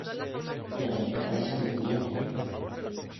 Los mirones son de piedra.